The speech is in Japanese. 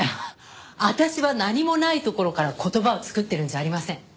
私は何もないところから言葉を作っているんじゃありません。